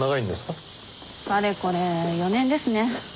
かれこれ４年ですね。